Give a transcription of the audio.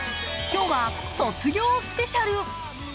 今日は卒業スペシャル。